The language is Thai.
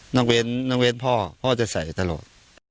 นักเวรนักเวรพ่อพ่อจะใส่ตลอด